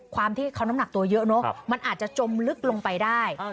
ความที่เขาน้ำหนักตัวเยอะเนอะมันอาจจะจมลึกลงไปได้